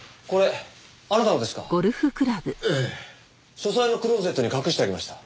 書斎のクローゼットに隠してありました。